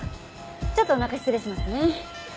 ちょっとお腹失礼しますね。